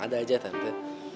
ada aja tante